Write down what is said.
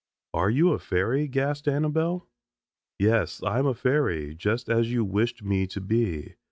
"And you're a fairy?" gasped Annabelle. "Yes, I am a fairy, just as you wished me to be.